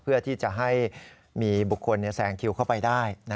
เพื่อที่จะให้มีบุคคลแสงคิวเข้าไปได้